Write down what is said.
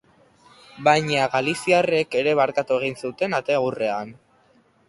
Baina galiziarrek ere barkatu egin zuten ate aurrean.